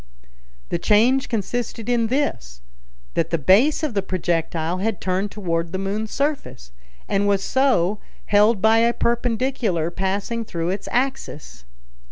The change consisted in this, that the base of the projectile had turned toward the moon's surface, and was so held by a perpendicular passing through its axis.